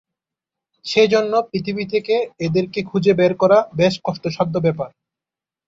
সেজন্য পৃথিবী থেকে এদেরকে খুঁজে বের করা বেশ কষ্টসাধ্য ব্যাপার।